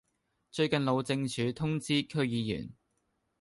最近路政署通知區議員